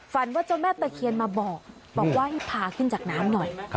ว่าเจ้าแม่ตะเคียนมาบอกบอกว่าให้พาขึ้นจากน้ำหน่อย